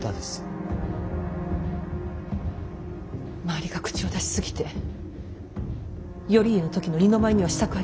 周りが口を出し過ぎて頼家の時の二の舞にはしたくありません。